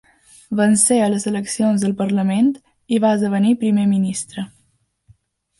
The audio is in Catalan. Vencé a les eleccions del Parlament i va esdevenir primer ministre.